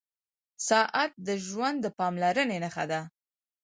• ساعت د ژوند د پاملرنې نښه ده.